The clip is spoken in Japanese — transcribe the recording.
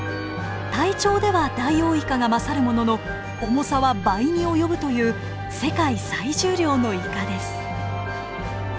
体長ではダイオウイカが勝るものの重さは倍に及ぶという世界最重量のイカです。